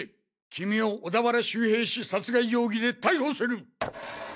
キミを小田原周平氏殺害容疑で逮捕する！